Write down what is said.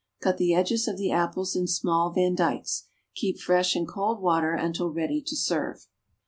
Cut the edges of the apples in small vandykes; keep fresh in cold water until ready to serve.